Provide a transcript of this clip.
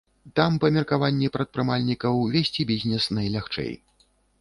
Там, па меркаванні прадпрымальнікаў, весці бізнес найлягчэй.